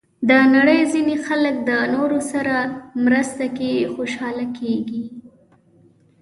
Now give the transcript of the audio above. د نړۍ ځینې خلک د نورو سره مرسته کې خوشحاله کېږي.